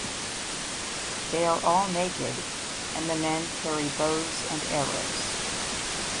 They are all naked and the men carry bows and arrows.